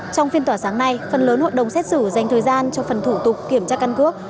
trong phiên tòa sáng nay phần lớn hội đồng xét xử dành thời gian cho phần thủ tục kiểm tra căn cước